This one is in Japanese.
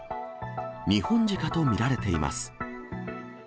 ニホンジカと見られています。